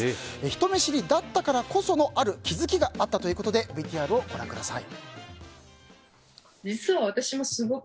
人見知りだったからこそのある気づきがあったということでＶＴＲをご覧ください。